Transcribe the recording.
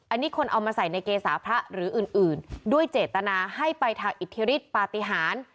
อันนี้คนเอามาใส่ในเกษาพระหรืออื่นด้วยเจตนาให้ไปทางอิทธิฤทธิปฏิหาร